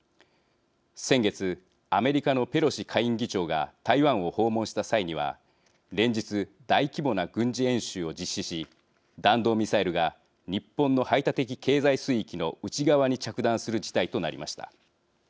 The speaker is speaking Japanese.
先月、アメリカのペロシ下院議長が台湾を訪問した際には連日、大規模な軍事演習を実施し弾道ミサイルが日本の排他的経済水域の内側に着弾する事態となりました。